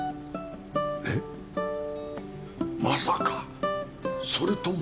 えっまさかそれとも？